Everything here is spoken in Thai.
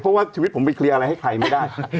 เพราะว่าชีวิตผมไปเคลียร์อะไรให้ใครไม่ได้